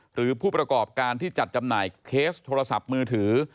หรือผู้ประกอบการที่จัดจำหน่ายเคสโทรศัพท์มือถือ